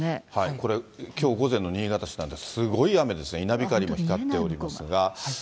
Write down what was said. これ、きょう午前の新潟市なんて、すごい雨ですね、稲光も光っておりますが。